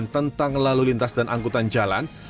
tentang lalu lintas dan angkutan jalan